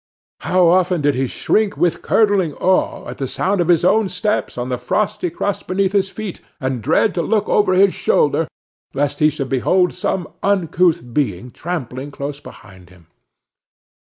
How often did he shrink with curdling awe at the sound of his own steps on the frosty crust beneath his feet; and dread to look over his shoulder, lest he should behold some uncouth being tramping close behind him!